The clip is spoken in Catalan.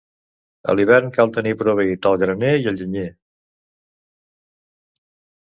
A l'hivern cal tenir proveït el graner i el llenyer.